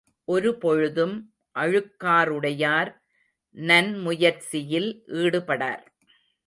ஒரு பொழுதும் அழுக்காறுடையார் நன் முயற்சியில் ஈடுபடார்.